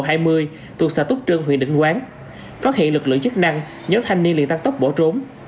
thuộc xã túc trân huyện định quán phát hiện lực lượng chức năng nhớ thanh niên liên tăng tốc bỏ trốn